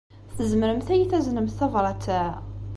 Tzemremt ad iyi-taznemt tabṛat-a?